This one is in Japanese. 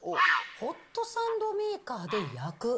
ホットサンドメーカーで焼く。